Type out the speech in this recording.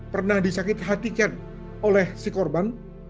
pernah disakit hatikan oleh si korban